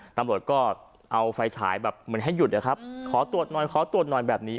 ตำรวจก็เอาไฟฉายแบบเหมือนให้หยุดนะครับขอตรวจหน่อยขอตรวจหน่อยแบบนี้